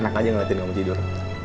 enak aja ngeliatin ngomong tidur